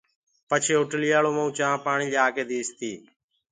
پڇي هوٽلَيآݪو مئونٚ چآنٚه پآڻِيٚ ليآڪي ديٚستيٚ